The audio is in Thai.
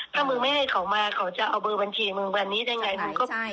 ถ้ามึงไม่ให้เขามาเขาจะเอาเบอร์บัญชีมึงวันนี้ได้ไง